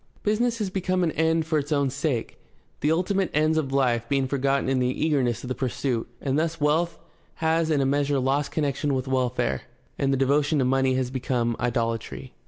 Business has become an end for its own sake, the ultimate ends of life being forgotten in the eagerness of the pursuit, and thus wealth has in a measure lost connection with welfare, and the devotion to money has become idolatry.